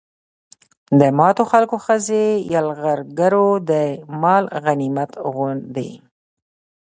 د ماتو خلکو ښځې يرغلګرو د مال غنميت غوندې